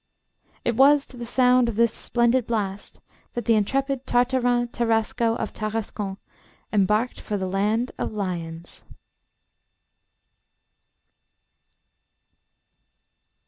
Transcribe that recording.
It was to the sound of this splendid blast that the intrepid Tartarin Tarasco of Tarascon embarked for the land of lions.